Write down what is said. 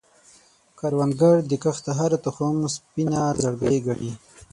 کروندګر د کښت هره تخم سپینه زړګی ګڼي